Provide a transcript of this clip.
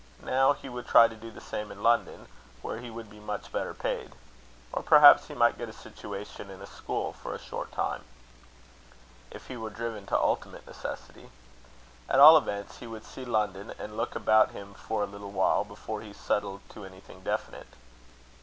Now he would try to do the same in London, where he would be much better paid. Or perhaps he might get a situation in a school for a short time, if he were driven to ultimate necessity. At all events, he would see London, and look about him for a little while, before he settled to anything definite.